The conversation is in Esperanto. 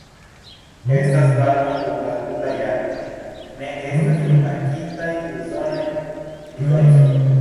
Estas varmo dum la tuta jaro, ne estas rimarkindaj sezonaj diferencoj.